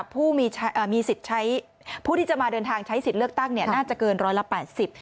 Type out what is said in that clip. โปรดติดตามตอนต่อไป